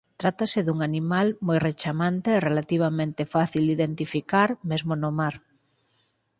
Trátase dun animal moi rechamante e relativamente fácil de identificar mesmo no mar.